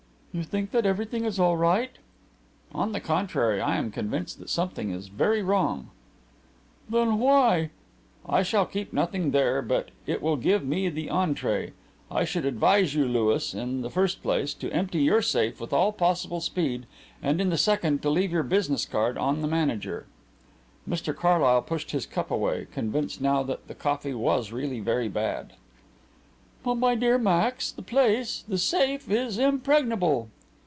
"You think that everything is all right?" "On the contrary, I am convinced that something is very wrong." "Then why ?" "I shall keep nothing there, but it will give me the entrée. I should advise you, Louis, in the first place to empty your safe with all possible speed, and in the second to leave your business card on the manager." Mr Carlyle pushed his cup away, convinced now that the coffee was really very bad. "But, my dear Max, the place 'The Safe' is impregnable!"